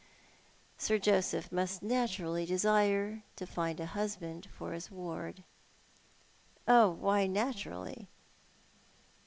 Sir Joseph must naturally desire to find a husband for his ward." "Why naturally?"